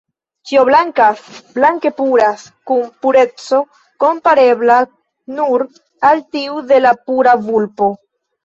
Ĉio blankas, blanke puras, kun pureco komparebla nur al tiu de la pura vulpo.